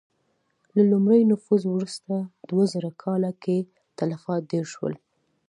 له لومړي نفوذ وروسته دوه زره کاله کې تلفات ډېر شول.